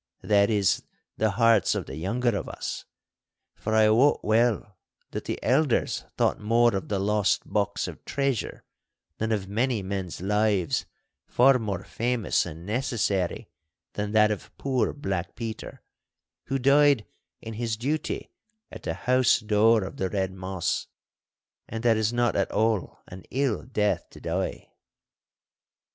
That is, the hearts of the younger of us. For I wot well that the elders thought more of the lost box of treasure, than of many men's lives far more famous and necessary than that of poor Black Peter, who died in his duty at the house door of the Red Moss—and that is not at all an ill death to die.